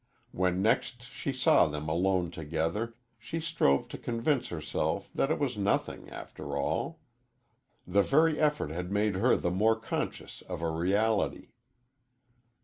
When next she saw them alone together, she strove to convince herself that it was nothing, after all. The very effort had made her the more conscious of a reality.